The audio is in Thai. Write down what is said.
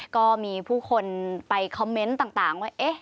ก็มีผู้คนไปคอมเมนต์ต่างว่า